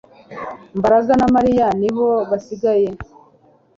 Mbaraga na Mariya nibo basigaye